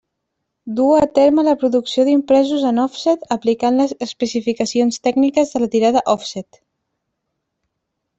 Duu a terme la producció d'impresos en òfset, aplicant les especificacions tècniques de la tirada òfset.